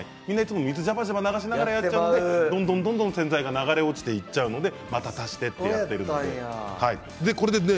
水を、じゃばじゃば流しながらやるとどんどん洗剤が流れ落ちていっちゃうのでまた足してということになるんですね。